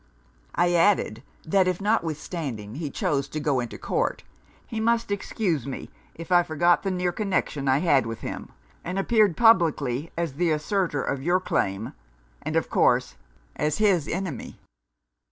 I added, that if notwithstanding he chose to go into court, he must excuse me if I forgot the near connection I had with him, and appeared publicly as the assertor of your claim, and of course as his enemy.